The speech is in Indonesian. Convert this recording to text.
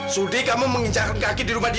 sudi kamu mengincahkan kaki di rumah dia